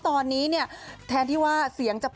ตอนนี้ไปฟังพี่หายอภพรกันหน่อยค่ะแซวเล่นจนได้เรื่องจ้า